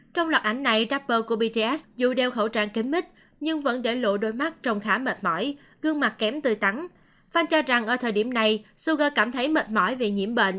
trong loạt ảnh này rapper của bts dù đeo khẩu trang kém mít nhưng vẫn để lộ đôi mắt trông khá mệt mỏi gương mặt kém tươi tắn